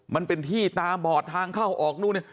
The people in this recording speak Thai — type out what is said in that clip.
มันเป็นที่ตาบอดทางเข้าออกนู่นนี่